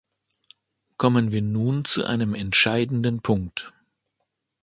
Kommen wir nun zu einem entscheidenden Punkt.